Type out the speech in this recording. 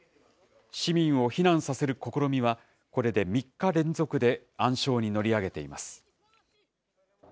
市民を避難させる試みは、これで３日連続で暗礁に乗り上げています。